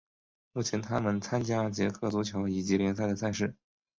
目前他们参加捷克足球乙级联赛的赛事。